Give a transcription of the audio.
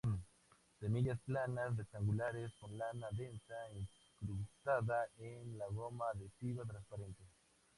Semillas planas, rectangulares, con lana densa, incrustada en la goma adhesiva transparente.